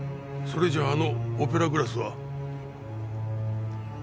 それじゃああのオペラグラスは。